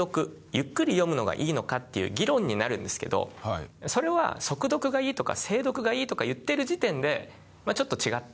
ゆっくり読むのがいいのかっていう議論になるんですけどそれは速読がいいとか精読がいいとか言ってる時点でちょっと違って。